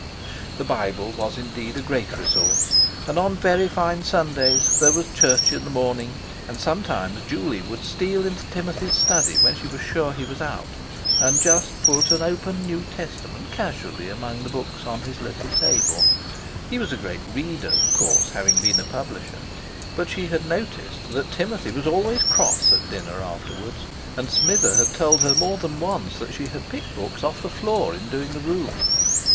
The Bible was, indeed, a great resource, and on very fine Sundays there was church in the morning; and sometimes Juley would steal into Timothy's study when she was sure he was out, and just put an open New Testament casually among the books on his little table—he was a great reader, of course, having been a publisher. But she had noticed that Timothy was always cross at dinner afterwards. And Smither had told her more than once that she had picked books off the floor in doing the room.